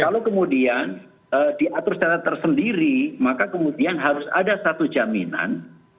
kalau kemudian diatur secara tersendiri maka kemudian harus ada satu jaminan